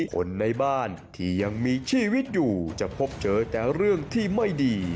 คนในบ้านที่ยังมีชีวิตอยู่จะพบเจอแต่เรื่องที่ไม่ดี